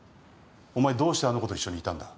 お前どうしてあの子と一緒にいたんだ？